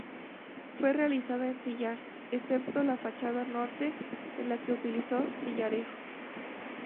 Fue realizada en sillar, excepto la fachada norte en la que utilizó sillarejo.